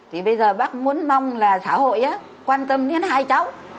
thì bây giờ bác muốn mong là xã hội quan tâm đến hai cháu